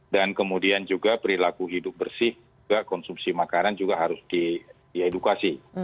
dan kemudian juga perilaku hidup bersih konsumsi makanan juga harus diedukasi